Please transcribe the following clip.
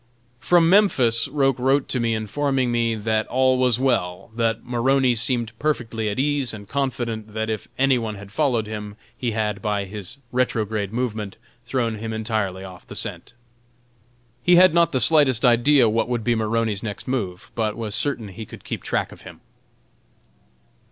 From Memphis Roch wrote to me, informing me "that all was well; that Maroney seemed perfectly at ease and confident that if any one had followed him, he had, by his retrograde movement, thrown him entirely off the scent." He had not the slightest idea what would be Maroney's next move, but was certain he could keep track of him.